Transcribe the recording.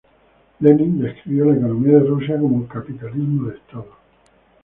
Lenin describió la economía de Rusia como capitalismo de Estado.